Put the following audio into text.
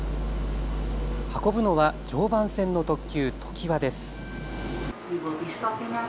運ぶのは常磐線の特急ときわです。